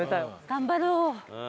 頑張ろう。